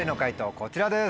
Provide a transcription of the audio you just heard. こちらです。